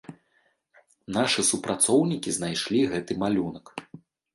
Нашы супрацоўнікі знайшлі гэты малюнак.